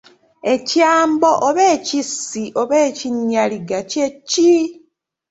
Ekyambo oba ekisi oba ekinyaligga kye ki?